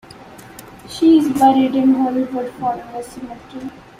She is buried in Hollywood Forever Cemetery.